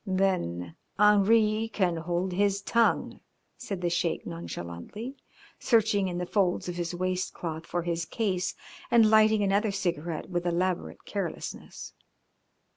"Then Henri can hold his tongue," said the Sheik nonchalantly, searching in the folds of his waist cloth for his case and lighting another cigarette with elaborate carelessness.